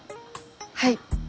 はい。